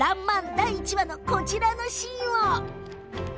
第１話のこちらのシーン。